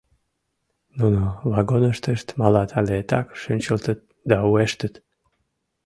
— Нуно вагоныштышт малат але так шинчылтыт да уэштыт.